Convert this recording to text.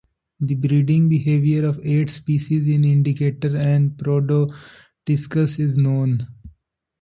The breeding behavior of eight species in "Indicator" and "Prodotiscus" is known.